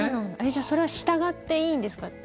じゃあそれは従っていいんですか？